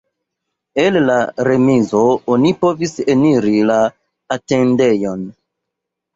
El la remizo oni povis eniri la atendejon.